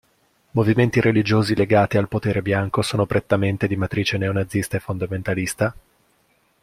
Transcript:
Movimenti religiosi legati al potere bianco sono prettamente di matrice neonazista e fondamentalista.